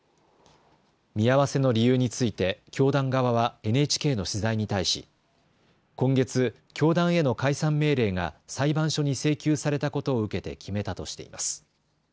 見合わせの理由について教団側はＮＨＫの取材に対し今月、教団への解散命令が裁判所に請求されたことを受けて決めたとしています。